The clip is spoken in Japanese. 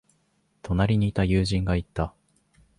隣にいた友人が言った。